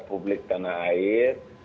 publik tanah air